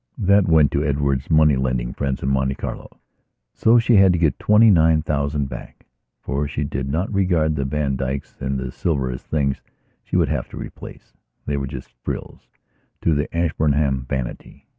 That went to Edward's money lending friends in Monte Carlo. So she had to get the twenty nine thousand back, for she did not regard the Vandykes and the silver as things she would have to replace. They were just frills to the Ashburnham vanity.